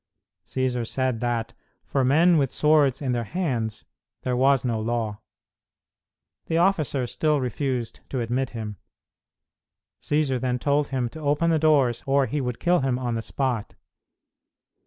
Cćsar said that, for men with swords in their hands, there was no law. The officer still refused to admit him. Cćsar then told him to open the doors or he would kill him on the spot.